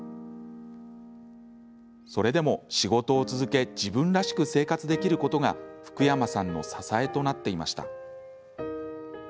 それでも、仕事を続け自分らしく生活できることが福山さんの支えとなっていました。